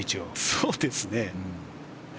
そうですね。